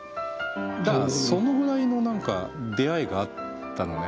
だからそのぐらいの出会いがあったのね。